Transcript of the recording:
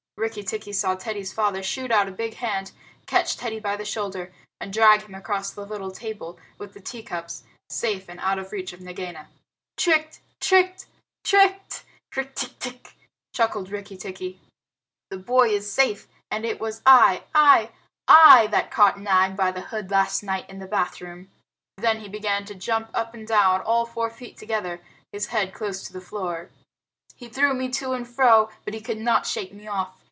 Rikki tikki saw Teddy's father shoot out a big hand, catch Teddy by the shoulder, and drag him across the little table with the tea cups, safe and out of reach of Nagaina. "Tricked! Tricked! Tricked! Rikk tck tck!" chuckled Rikki tikki. "The boy is safe, and it was I I I that caught Nag by the hood last night in the bathroom." Then he began to jump up and down, all four feet together, his head close to the floor. "He threw me to and fro, but he could not shake me off.